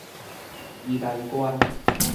宜蘭縣